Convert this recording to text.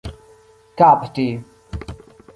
kapti